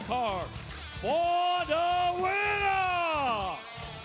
ต้องเป็นตกครับ